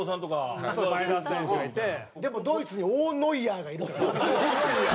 ノブ：でも、ドイツに大ノイアーがいるからダメです。